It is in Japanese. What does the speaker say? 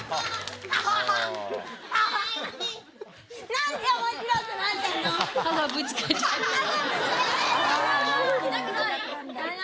なんで面白くなってるの？